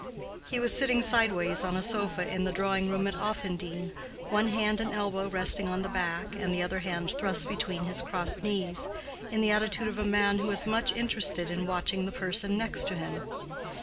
He was sitting sideways on a sofa in the drawing room at Offendene, one hand and elbow resting on the back, and the other hand thrust between his crossed knees—in the attitude of a man who is much interested in watching the person next to him.